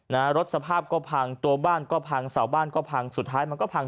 นะฮะรถสภาพก็พังตัวบ้านก็พังเสาบ้านก็พังสุดท้ายมันก็พัง